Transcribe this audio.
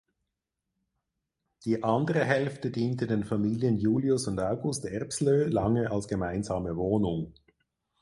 Die andere Hälfte diente den Familien Julius und August Erbslöh lange als gemeinsame Wohnung.